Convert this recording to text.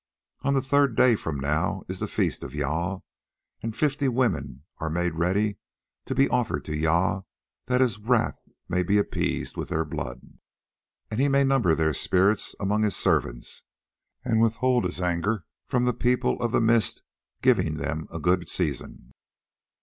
On the third day from now is the feast of Jâl, and fifty women are made ready to be offered to Jâl that his wrath may be appeased with their blood, and that he may number their spirits among his servants, and withhold his anger from the People of the Mist, giving them a good season.